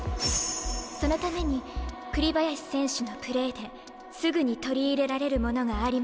そのために栗林選手のプレーですぐに取り入れられるものがあります。